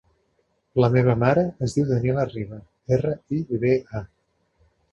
La meva mare es diu Daniela Riba: erra, i, be, a.